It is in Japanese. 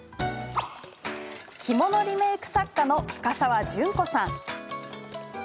着物リメーク作家、深澤淳子さん。